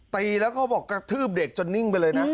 ตีแล้วเขาบอกกระทืบเด็กจนนิ่งไปเลยนะ